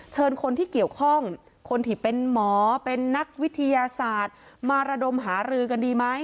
เชิญคนที่เกี่ยวข้องคนที่เป็นหมอเป็นนักวิทยาศาสตร์มาระดมหารือกันดีไหม